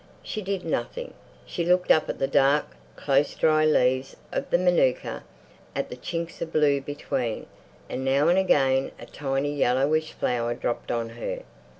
She did nothing. She looked up at the dark, close, dry leaves of the manuka, at the chinks of blue between, and now and again a tiny yellowish flower dropped on her.